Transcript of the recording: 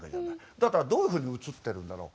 だったらどういうふうに映ってるんだろう？